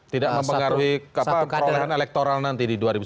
tidak mempengaruhi perolehan elektoral nanti di dua ribu sembilan belas